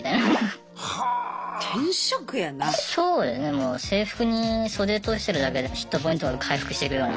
もう制服に袖通してるだけでヒットポイントが回復してくような。